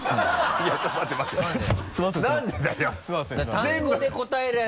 いやちょっと待ってよ